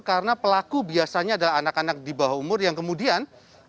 karena pelaku biasanya adalah anak anak di bawah umur yang kemudian